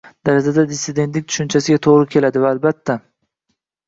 darajada “dissidenlik” tushunchasiga to‘g‘ri keladi va albatta